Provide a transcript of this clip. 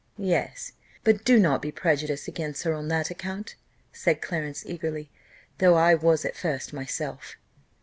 "Yes, but do not be prejudiced against her on that account," said Clarence, eagerly, "though I was at first myself."